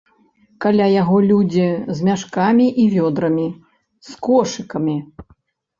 Каля яго людзі з мяшкамі і вёдрамі, з кошыкамі.